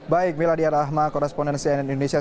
baik meladia rahma korresponden cnn indonesia